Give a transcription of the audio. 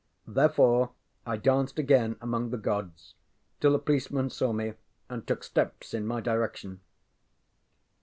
Therefore I danced again among the gods till a policeman saw me and took steps in my direction.